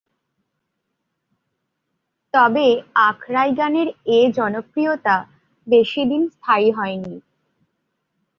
তবে আখড়াই গানের এ জনপ্রিয়তা বেশি দিন স্থায়ী হয়নি।